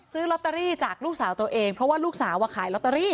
ซื้อลอตเตอรี่จากลูกสาวตัวเองเพราะว่าลูกสาวขายลอตเตอรี่